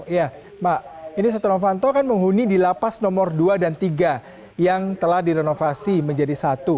iya mbak ini setia novanto kan menghuni di lapas nomor dua dan tiga yang telah direnovasi menjadi satu